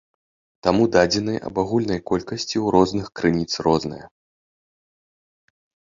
Таму дадзеныя аб агульнай колькасці ў розных крыніц розныя.